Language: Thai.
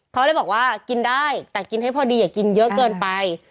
เขาเลยบอกว่ากินได้แต่กินให้พอดีอย่ากินเยอะเกินไป